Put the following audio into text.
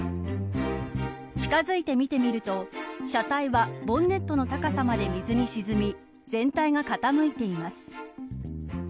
近いづいて見てみると車体はボンネットの高さまで水に沈み全体が傾いています。